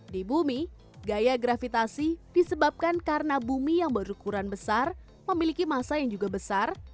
di bumi gaya gravitasi disebabkan karena bumi yang berukuran besar memiliki masa yang juga besar